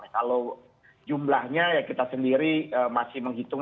kalau jumlahnya ya kita sendiri masih menghitung